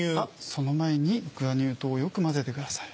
その前にグラニュー糖をよく混ぜてください。